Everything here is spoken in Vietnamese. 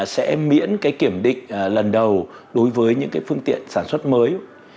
sẽ miễn kiểm định lần đầu đối với những phương tiện sản xuất mới